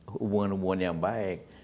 hubungan hubungan yang baik